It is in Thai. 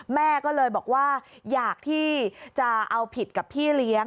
แม่ก็เลยบอกว่าอยากที่จะเอาผิดกับพี่เลี้ยง